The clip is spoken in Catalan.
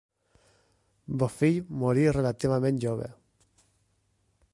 Bofill morí relativament jove.